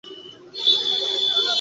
ওরা চলে আসবে।